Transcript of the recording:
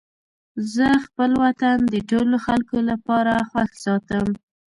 زه خپل وطن د ټولو خلکو لپاره خوښ ساتم.